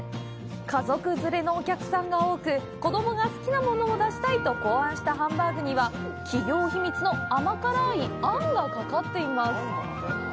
家族連れのお客さんが多く、子供が好きなものも出したいと考案したハンバーグには企業秘密の甘辛いあんがかかっています。